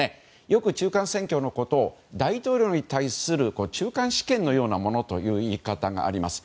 よく中間選挙のことを大統領に対する中間試験のようなものという言い方があります。